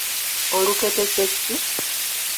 Olukete kye ki?